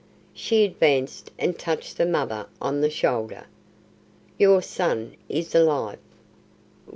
She advanced and touched the mother on the shoulder. "Your son is alive!"